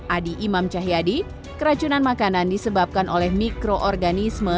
adi imam cahyadi keracunan makanan disebabkan oleh mikroorganisme